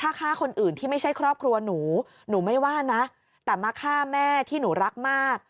ถ้าฆ่าคนอื่นที่ไม่ใช่ครอบครัวหนูหนูไม่ว่านะแต่มาฆ่าแม่ที่หนูรักมาก